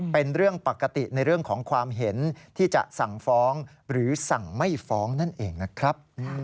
เป็นเรื่องปกติในเรื่องของความเห็นที่จะสั่งฟ้องหรือสั่งไม่ฟ้องนั่นเองนะครับ